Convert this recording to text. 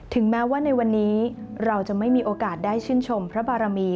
แม้ว่าในวันนี้เราจะไม่มีโอกาสได้ชื่นชมพระบารมี